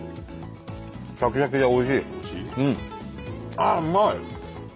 ああうまい！